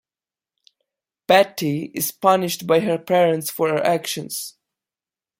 Patti is punished by her parents for her actions.